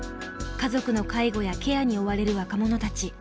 家族の介護やケアに追われる若者たち。